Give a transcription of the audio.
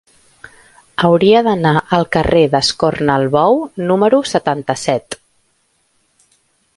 Hauria d'anar al carrer d'Escornalbou número setanta-set.